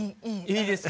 いいですか？